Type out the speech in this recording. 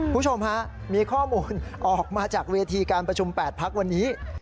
คุณผู้ชมฮะมีข้อมูลออกมาจากเวทีการประชุม๘พักวันนี้